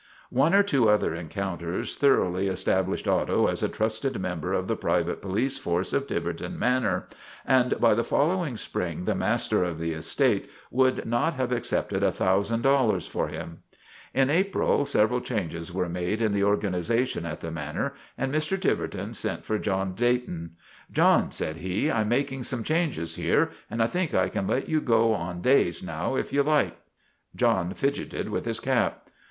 One or two other such encounters thoroughly es tablished Otto as a trusted member of the private police force of Tiverton Manor, and by the follow ing spring the master of the estate would not have accepted a thousand dollars for him. In April several changes were made in the or ganization at the Manor and Mr. Tiverton sent for John Dayton. " John/' said he, " I 'm making some changes here, and I think I can let you go on days now if you like." John fidgeted' with his cap.